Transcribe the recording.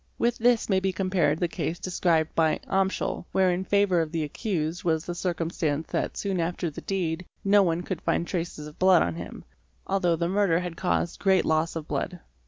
With this may be compared the case described by Amschi® where in favour of the accused —| was the circumstance that soon after the deed, no one could find traces of | blood on him, although the murder had caused great loss of blood.